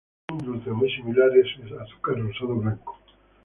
Un dulce muy similar es el azúcar rosado blanco.